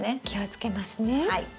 気をつけますね。